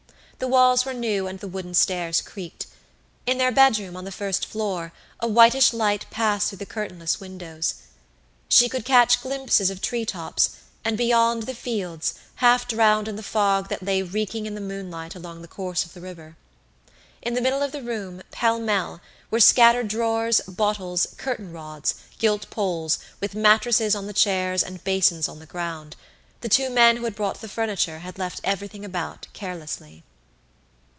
The walls were new and the wooden stairs creaked. In their bedroom, on the first floor, a whitish light passed through the curtainless windows. She could catch glimpses of tree tops, and beyond, the fields, half drowned in the fog that lay reeking in the moonlight along the course of the river. In the middle of the room, pell mell, were scattered drawers, bottles, curtain rods, gilt poles, with mattresses on the chairs and basins on the ground the two men who had brought the furniture had left everything about carelessly.